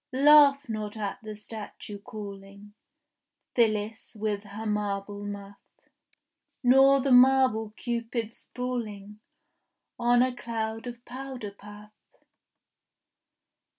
Laugh not at the statue calling Phyllis with her marble muff, Nor the marble cupids sprawling On a cloud of powder puff.